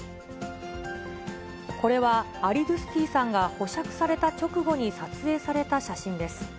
これはアリドゥスティさんが保釈された直後に撮影された写真です。